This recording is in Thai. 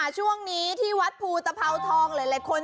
ส่องทั่วไทย